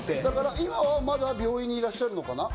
今はまだ病院にいらっしゃるのかな？